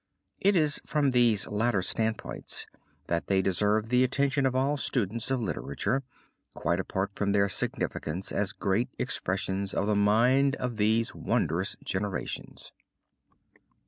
It is from these latter standpoints that they deserve the attention of all students of literature quite apart from their significance as great expressions of the mind of these wondrous generations.